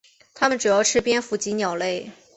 它们主要吃蝙蝠及鸟类。